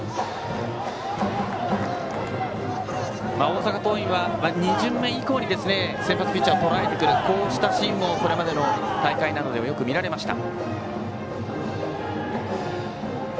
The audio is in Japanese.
大阪桐蔭は２巡目以降に先発ピッチャーをとらえてくるシーンもこれまでの大会などではよく見られました。